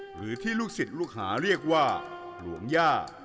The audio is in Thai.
หรือที่ลูกศิษย์ลูกหาเรียกว่าหลวงย่า